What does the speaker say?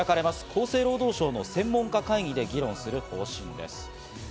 厚生労働省の専門家会議で議論する方針です。